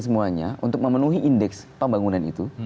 semuanya untuk memenuhi indeks pembangunan itu